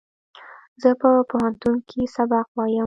زه په پوهنتون کښې سبق وایم